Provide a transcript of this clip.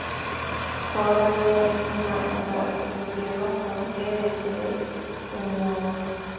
polo n intangarugero mu byerekeye imyuga